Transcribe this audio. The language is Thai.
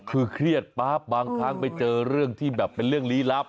คือเครียดปั๊บบางครั้งไปเจอเรื่องที่แบบเป็นเรื่องลี้ลับ